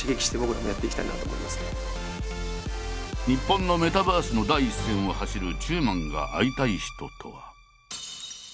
日本のメタバースの第一線を走る中馬が会いたい人とは。